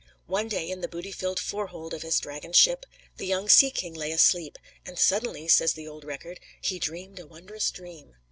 One day, in the booty filled "fore hold" of his dragon ship, the young sea king lay asleep; and suddenly, says the old record, "he dreamed a wondrous dream."